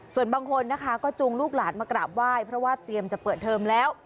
ส่วนบางคนนะคะก็จูงลูกหลานมากราบไหว้เพราะว่าเตรียมจะเปิดเทอมแล้ว